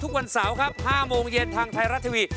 ทุกวันเสาร์ครับ๕โมงเย็นทางไทยรัฐทีวี